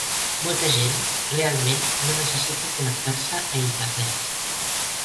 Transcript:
Molta gent realment no necessita connectar-se a Internet.